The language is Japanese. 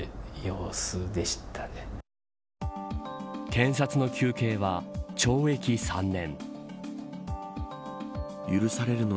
検察の求刑は懲役３年。